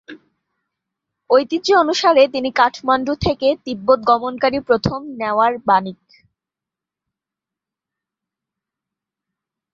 ঐতিহ্য অনুসারে তিনি কাঠমান্ডু থেকে তিব্বত গমনকারী প্রথম নেওয়ার বণিক।